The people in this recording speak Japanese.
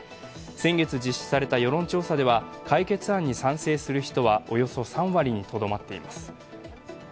先月実施された世論調査では解決案に賛成する人はおよそ３割にとどまっています。